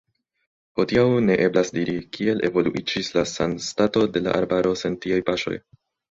Hodiaŭ ne eblas diri, kiel evoluiĝis la sanstato de la arbaro sen tiaj paŝoj.